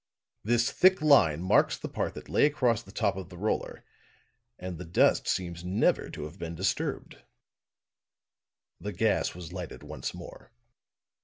This thick line marks the part that lay across the top of the roller, and the dust seems never to have been disturbed." The gas was lighted once more.